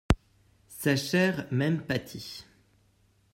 Sa chair même pâtit.